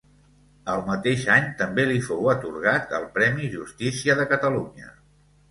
Al mateix any també li fou atorgat el premi Justícia de Catalunya.